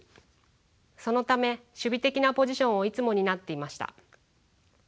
そのため守備的なポジションをいつも担っていました。